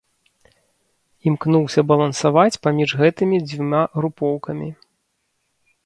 Імкнуўся балансаваць паміж гэтымі дзвюма групоўкамі.